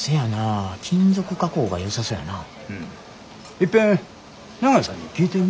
いっぺん長井さんに聞いてみ。